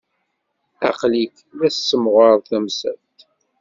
Aql-ik la tessemɣared tamsalt.